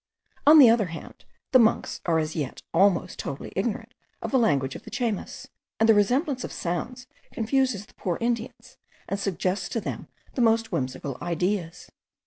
On the other hand, the monks are as yet almost totally ignorant of the language of the Chaymas; and the resemblance of sounds confuses the poor Indians and suggests to them the most whimsical ideas.